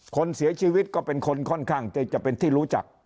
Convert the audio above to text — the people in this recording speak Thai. คนเสียชีวิตก็เป็นคนค่อนข้างที่จะเป็นที่รู้จัก